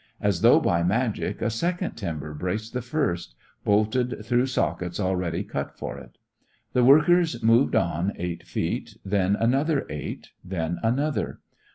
As though by magic a second timber braced the first, bolted through sockets already cut for it. The workers moved on eight feet, then another eight, then another.